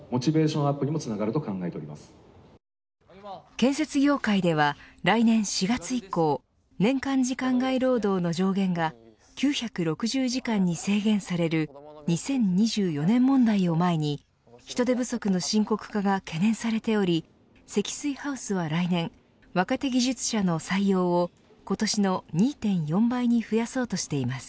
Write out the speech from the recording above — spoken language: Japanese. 建設業界では来年４月以降年間時間外労働の条件が９６０時間に制限される２０２４年問題を前に人手不足の深刻化が懸念されており積水ハウスは、来年若手技術者の採用を今年の２．４倍に増やそうとしています。